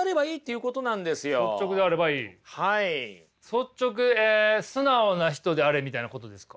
素直え「素直な人であれ」みたいなことですか？